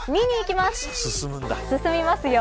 進みますよ。